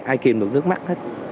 ai kìm được nước mắt hết